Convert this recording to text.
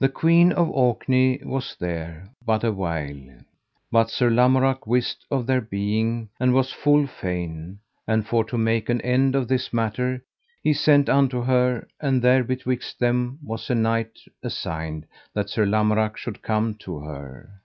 The Queen of Orkney was there but a while, but Sir Lamorak wist of their being, and was full fain; and for to make an end of this matter, he sent unto her, and there betwixt them was a night assigned that Sir Lamorak should come to her.